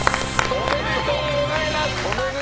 おめでとうございます！